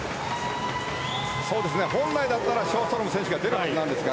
本来だったらショーストロム選手が出るはずなんですが。